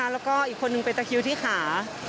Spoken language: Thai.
แล้วก็อีกคนนึงเป็นตะคิวที่ขา